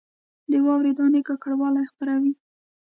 د واورې دانې ککړوالی خپروي